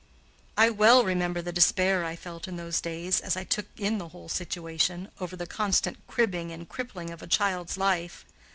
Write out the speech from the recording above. I well remember the despair I felt in those years, as I took in the whole situation, over the constant cribbing and crippling of a child's life.